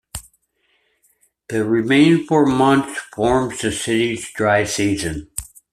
The remaining four months forms the city's dry season.